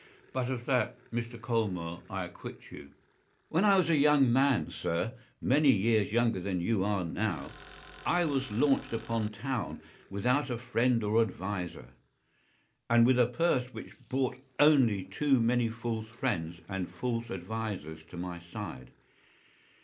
But of that, Mr. Colmore, I acquit you. "When I was a young man, sir, many years younger than you are now, I was launched upon town without a friend or adviser, and with a purse which brought only too many false friends and false advisers to my side.